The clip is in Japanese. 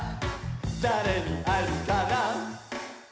「だれにあえるかな？」